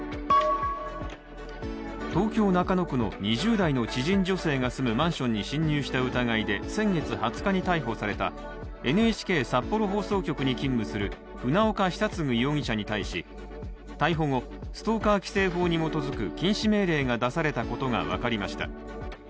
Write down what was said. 東京・中野区の２０代の知人女性が住むマンションに侵入した疑いで先月２０日逮捕されたＮＨＫ札幌放送局に勤務する船岡久嗣容疑者に対し逮捕後、ストーカー規制法に基づく禁止命令が出されたことが分かりました。